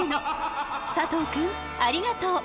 佐藤くんありがとう。